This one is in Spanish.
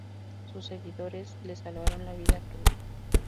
Sus seguidores le salvaron la vida aquel día.